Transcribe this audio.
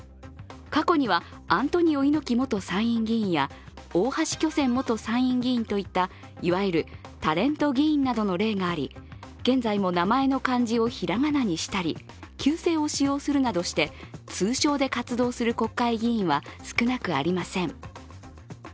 過去には、アントニオ猪木元参院議員や大橋巨泉元参院議員といった、いわゆるタレント議員などの例があり、現在も名前の漢字を平仮名にしたり旧姓を使用するなどして通称で活動する国会議員は少なくありません。